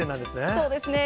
そうですね。